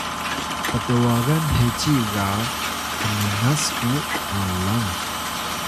pt’wagan heci ga hminas sku alang